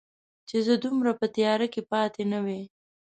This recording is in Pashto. چې زه دومره په تیاره کې پاتې نه وای